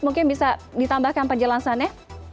mungkin bisa ditambahkan penjelasannya